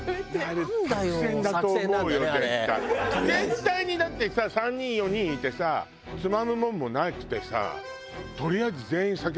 絶対にだってさ３人４人いてさつまむものもなくてさ。